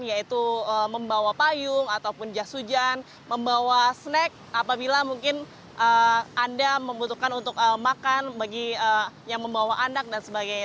yaitu membawa payung ataupun jas hujan membawa snack apabila mungkin anda membutuhkan untuk makan bagi yang membawa anak dan sebagainya